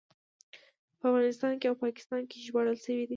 په افغانستان او پاکستان کې ژباړل شوی دی.